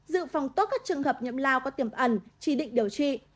dự phòng tốt các trường hợp nhiễm lao có tiềm ẩn chỉ định điều trị